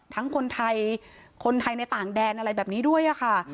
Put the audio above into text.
คนไทยคนไทยในต่างแดนอะไรแบบนี้ด้วยค่ะ